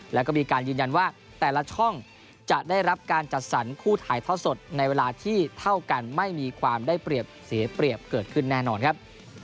แล้วก็มีการยืนยันว่าแต่ละช่องจะได้รับการจัดสรรคู่ถ่ายทอดสดในเวลาที่เท่ากันไม่มีความได้เปรียบเสียเปรียบเกิดขึ้นแน่นอนครับ